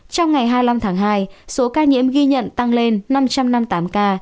trong ngày hai mươi năm tháng hai số ca nhiễm ghi nhận tăng lên năm trăm năm mươi tám ca